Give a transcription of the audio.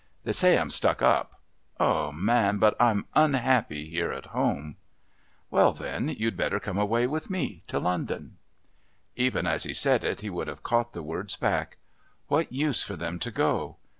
They say I'm stuck up... Oh, man, but I'm unhappy here at home!" "Well, then you'd better come away with me to London." Even as he said it he would have caught the words back. What use for them to go?